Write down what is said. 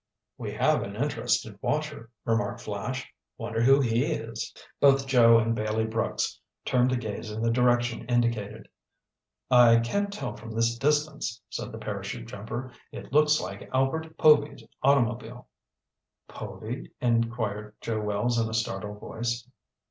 "We have an interested watcher," remarked Flash. "Wonder who he is?" Both Joe and Bailey Brooks turned to gaze in the direction indicated. "I can't tell from this distance," said the parachute jumper. "It looks like Albert Povy's automobile." "Povy?" inquired Joe Wells in a startled voice.